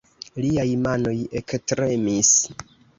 Liaj manoj ektremis.